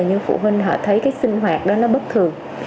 nhưng phụ huynh họ thấy cái sinh hoạt đó nó bất thường